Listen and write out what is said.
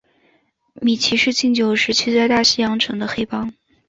米奇是禁酒时期在大西洋城的黑帮。